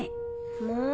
もう。